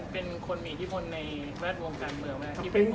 เป็นคนมีที่ขนในแวดวงการเมืองตะว